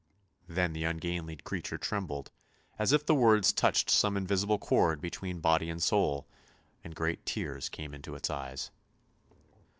" Then the ungainly creature trembled, as if the words touched some invisible chord between body and soul, and great tears came into its eyes.